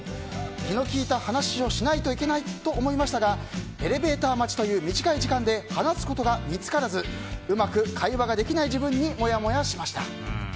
気の利いた話をしないといけないと思いましたがエレベーター待ちという短い時間で話すことが見つからずうまく会話ができない自分にもやもやしました。